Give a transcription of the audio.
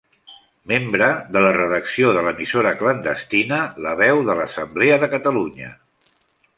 Membre de la redacció de l'emissora clandestina La veu de l'Assemblea de Catalunya.